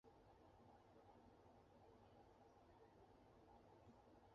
深橙色的果皮有带点的纹路或红葡萄酒色的纹理。